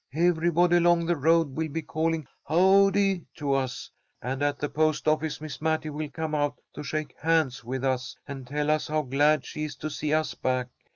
Everybody along the road will be calling 'Howdy!' to us, and at the post office Miss Mattie will come out to shake hands with us, and tell us how glad she is to see us back.